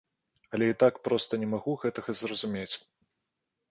Але і так проста не магу гэтага зразумець.